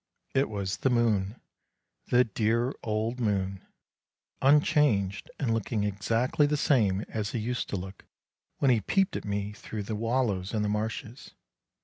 It was the moon, the dear old moon, unchanged, and looking exactly the same as he used to look, when he peeped at me there through the wallows in the marshes.